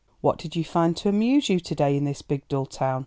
"What did you find to amuse you to day in this big, dull town?"